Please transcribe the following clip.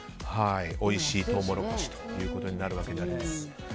おいしいトウモロコシということになるわけです。